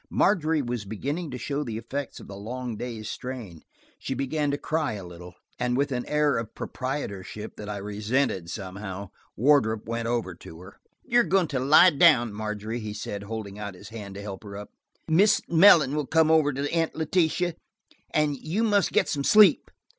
Margery was beginning to show the effect of the long day's strain; she began to cry a little, and with an air of proprietorship that I resented, somehow, Wardrop went over to her. "You are going to lie down, Margery," he said, holding out his hand to help her up. "Mrs. Mellon will come over to Aunt Letitia, and you must get some sleep."